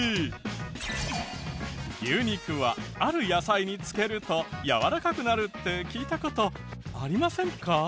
牛肉はある野菜に漬けるとやわらかくなるって聞いた事ありませんか？